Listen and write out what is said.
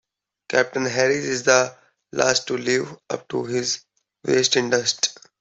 Captain Harris is the last to leave, up to his waist in dust.